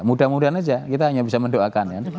mudah mudahan saja kita hanya bisa mendoakan